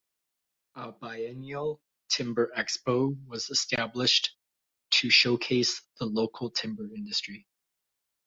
A biennial Timber Expo was established to showcase the local timber industry.